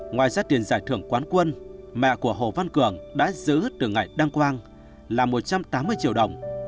ngoài xét tiền giải thưởng quán quân mẹ của hồ văn cường đã giữ từ ngày đăng quang là một trăm tám mươi triệu đồng